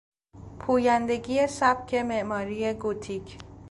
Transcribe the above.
پویندگی سبک معماری گوتیک